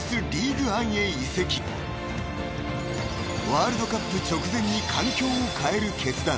［ワールドカップ直前に環境をかえる決断］